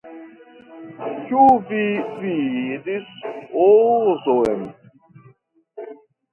Ĉu vi vidis Ozon?